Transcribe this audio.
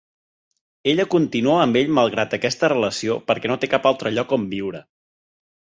Ella continua amb ell malgrat aquesta relació perquè no té cap altre lloc on viure.